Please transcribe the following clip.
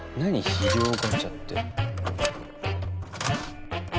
肥料ガチャって。